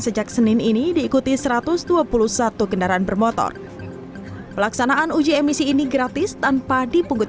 sejak senin ini diikuti satu ratus dua puluh satu kendaraan bermotor pelaksanaan uji emisi ini gratis tanpa dipungut